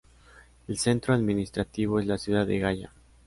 El centro administrativo es la ciudad de Gaya.